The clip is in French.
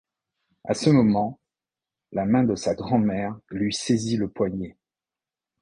À ce moment, la main de sa grand-mère lui saisit le poignet.